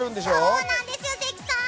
そうなんですよ、関さん。